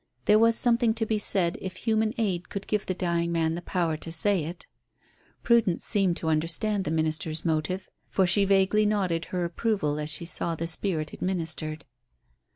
There was something to be said if human aid could give the dying man the power to say it. Prudence seemed to understand the minister's motive, for she vaguely nodded her approval as she saw the spirit administered.